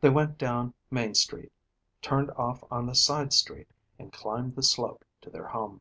They went down main street, turned off on the side street and climbed the slope to their home.